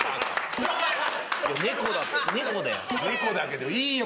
猫だけどいいよ。